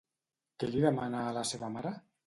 Què li demana a la seva mare?